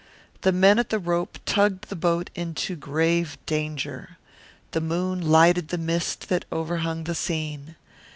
The men at the rope tugged the boat into grave danger. The moon lighted the mist that overhung the scene.